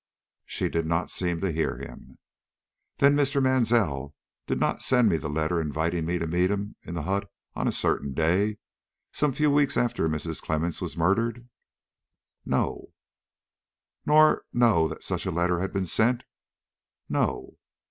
She did not seem to hear him. "Then Mr. Mansell did not send me the letter inviting me to meet him in the hut on a certain day, some few weeks after Mrs. Clemmens was murdered?" "No." "Nor know that such a letter had been sent?" "No."